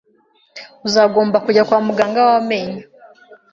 Uzagomba kujya kwa muganga wamenyo